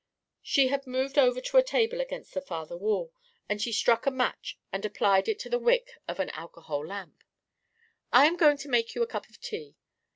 She had moved over to a table against the farther wall, and she struck a match and applied it to the wick of an alcohol lamp. "I am going to make you a cup of tea.